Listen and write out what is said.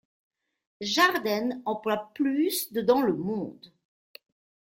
Jarden emploie plus de dans le monde.